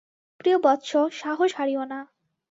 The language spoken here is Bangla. প্রিয় বৎস! সাহস হারিও না।